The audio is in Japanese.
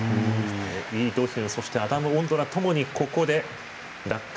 イ・ドヒュンそしてアダム・オンドラともにここで落下。